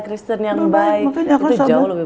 kristen yang baik itu jauh lebih